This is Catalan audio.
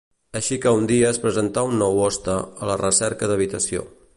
Així que un dia es presentà un nou hoste, a la recerca d'habitació.